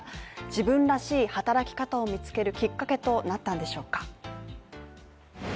自分らしい働き方を見つけるきっかけとなったんでしょうか。